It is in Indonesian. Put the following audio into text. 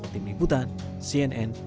tim liputan cnn